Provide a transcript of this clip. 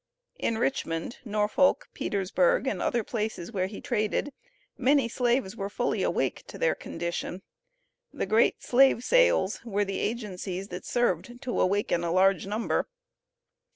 In Richmond, Norfolk, Petersburg, and other places where he traded, many slaves were fully awake to their condition. The great slave sales were the agencies that served to awaken a large number.